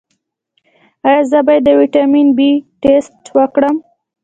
ایا زه باید د ویټامین بي ټسټ وکړم؟